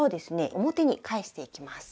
表に返していきます。